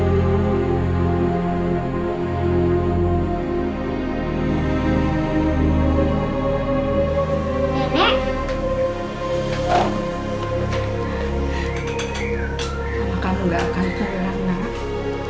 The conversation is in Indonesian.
kalau kamu gak akan keluar anak